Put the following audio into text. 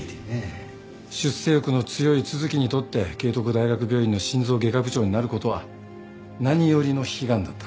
出世欲の強い都築にとって慶徳大学病院の心臓外科部長になることは何よりの悲願だった。